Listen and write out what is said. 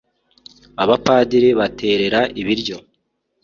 Abapadiri baterera ibiryo